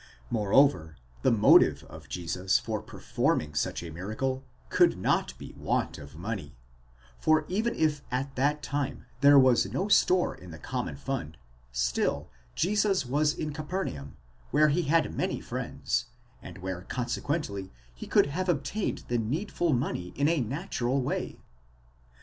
Moreover, the motive of Jesus for performing such a miracle could not be want of money, for even if at that time there was no store in the common fund, still Jesus was in Capernaum, where he had many friends, and where consequently he could have obtained the needful money in a natural way.